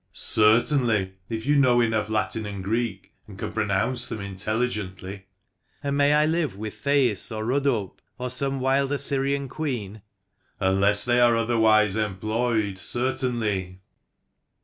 " Certainly, if you know enough Latin and Greek, and can pronounce them intelligently." " And may I live with Thais or Rhodope, or some wild Assyrian queen?" " Unless they are otherwise employed, certainly."